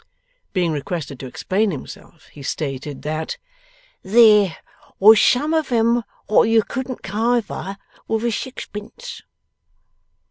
Being requested to explain himself, he stated that there was some of 'em wot you couldn't kiver with a sixpence.